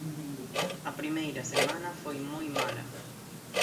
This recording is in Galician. A primeira semana foi moi mala.